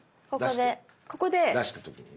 出した時に。